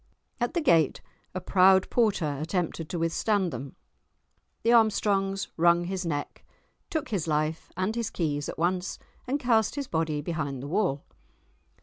At the gate a proud porter attempted to withstand them. The Armstrongs wrung his neck, took his life and his keys at once, and cast his body behind the wall.